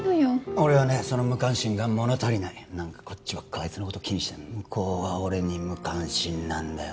俺はねその無関心が物足りない何かこっちばっかあいつのこと気にして向こうは俺に無関心なんだよ